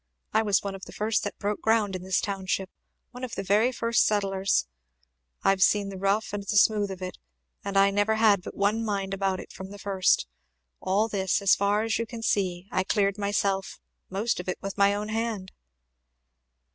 I was one of the first that broke ground in this township, one of the very first settlers I've seen the rough and the smooth of it, and I never had but one mind about it from the first. All this as far as you can see I cleared myself; most of it with my own hand."